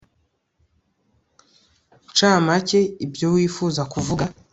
nshamake ibyo wifuza kuvuga